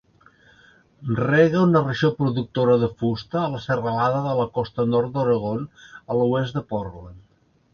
Rega una regió productora de fusta a la serralada de la costa nord d'Oregon, a l'oest de Portland.